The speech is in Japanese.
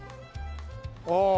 ああ！